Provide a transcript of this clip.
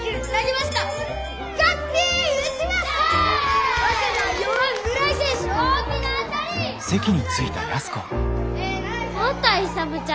また勇ちゃんじゃ。